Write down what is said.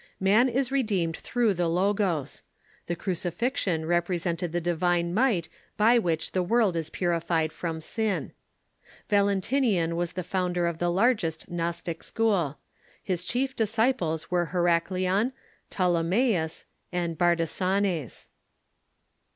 Man is redeemed through the Logos. The crucifixion represented the divine might by which the world is purified from sin. Valentinian was the founder of the largest Gnostic school. His chief disciples were Herac leon, Ptolemaeus, and Bardesanes.